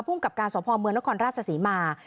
พุ่งกับการสอบพอมเมืองละครราชสีมา